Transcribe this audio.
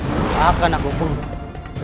saya akan nabuk bunuh